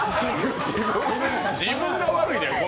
自分が悪いねん。